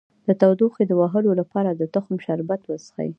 د تودوخې د وهلو لپاره د تخم شربت وڅښئ